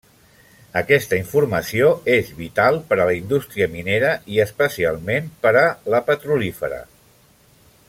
Aquesta informació és vital per a la indústria minera i especialment per a la petrolífera.